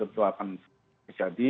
tentu akan terjadi